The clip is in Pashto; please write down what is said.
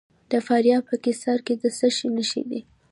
د فاریاب په قیصار کې د څه شي نښې دي؟